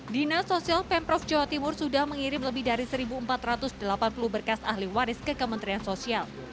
dina sosial pemprov jawa timur sudah mengirim lebih dari satu empat ratus delapan puluh berkas ahli waris ke kementerian sosial